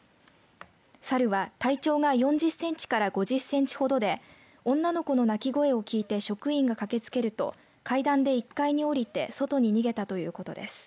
サルは体長が４０センチから５０センチほどで女の子の泣き声を聞いて職員が駆けつけると階段で１階に降りて外に逃げたということです。